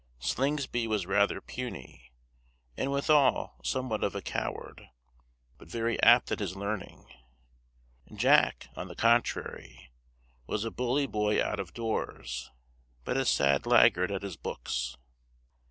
Slingsby was rather puny, and withal somewhat of a coward, but very apt at his learning; Jack, on the contrary, was a bully boy out of doors, but a sad laggard at his books.